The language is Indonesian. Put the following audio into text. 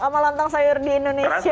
sama lontong sayur di indonesia